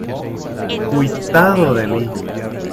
¡ cuitado de mí!